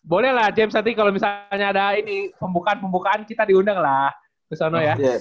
boleh lah jiebs nanti kalau misalnya ada pembukaan pembukaan kita diundang lah ke sana ya